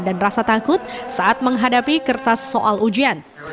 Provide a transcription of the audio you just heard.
dan rasa takut saat menghadapi kertas soal ujian